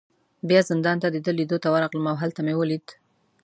بیا زندان ته د ده لیدو ته ورغلم، او هلته مې ولید.